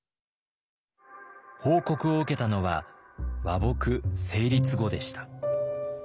報告を受けたのは和睦成立後でした。